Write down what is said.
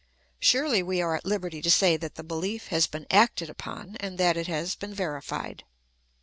Surely we are at hberty to say that the belief has been acted upon, and that it has been verified.